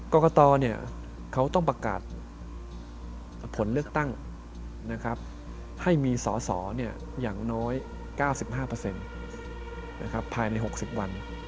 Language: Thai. กรกตเขาต้องประกาศผลเลือกตั้งให้มีสอสออย่างน้อย๙๕ภายใน๖๐วัน